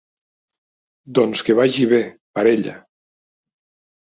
Doncs que vagi bé, parella!